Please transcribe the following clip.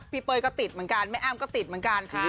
เป้ยก็ติดเหมือนกันแม่อ้ำก็ติดเหมือนกัน